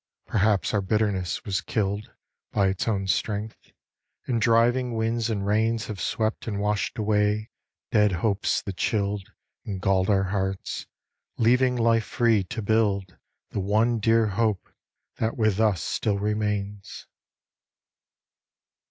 Perhaps our bitterness was killed By its own strength, and driving winds and rains Have swept and washed away dead hopes that chilled And galled our hearts, leaving Life free to build The one dear hope that with us still remains.